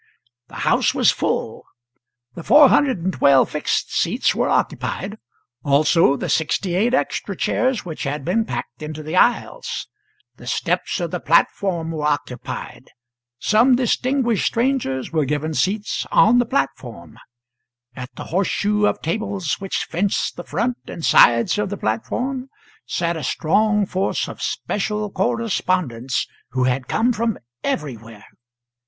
The house was full. The 412 fixed seats were occupied; also the 68 extra chairs which had been packed into the aisles; the steps of the platform were occupied; some distinguished strangers were given seats on the platform; at the horseshoe of tables which fenced the front and sides of the platform sat a strong force of special correspondents who had come from everywhere.